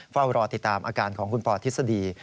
เฝ้ารอติดตามอาการของคุณปอทฤษฎี